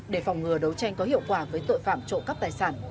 để phòng ngừa đấu tranh có hiệu quả với tội phạm trộm cắp tài sản